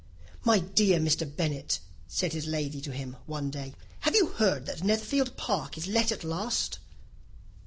"My dear Mr. Bennet," said his lady to him one day, "have you heard that Netherfield Park is let at last?"